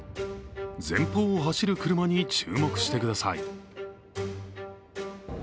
前方を走る車に注目してください。